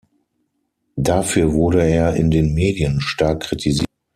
Dafür wurde er in den Medien stark kritisiert.